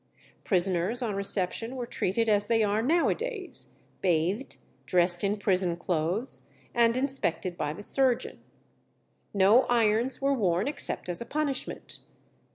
Prisoners on reception were treated as they are now a days bathed, dressed in prison clothes, and inspected by the surgeon. No irons were worn except as a punishment.